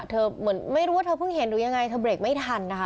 เหมือนไม่รู้ว่าเธอเพิ่งเห็นหรือยังไงเธอเบรกไม่ทันนะคะ